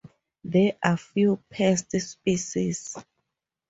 There are a few pest species.